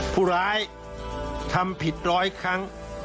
ผู้ร้ายทำผิดร้อยครั้ง